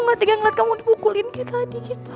aku gak tiga kalau ngeliat kamu dibukulin kayak tadi gitu